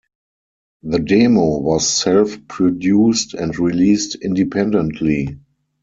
The demo was self-produced and released independently.